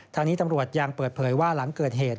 ทางนี้ตำรวจยังเปิดเผยว่าหลังเกิดเหตุ